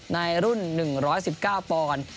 ในรุ่น๑๑๙ปอนด์